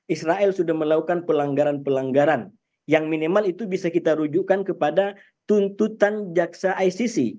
israel sudah melakukan pelanggaran pelanggaran yang minimal itu bisa kita rujukan kepada tuntutan jaksa icc